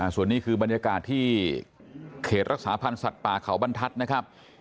ส่วนนี้คือบรรยากาศที่เขตรักษาพันธ์สัตว์ป่าเขาบรรทัศน์นะครับ